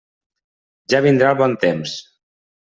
Ja vindrà el bon temps.